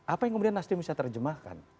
apa yang kemudian nasdem bisa terjemahkan